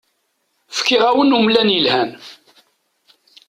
Fkiɣ-awen umlan yelhan.